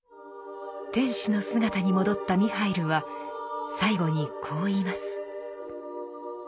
天使の姿に戻ったミハイルは最後にこう言います。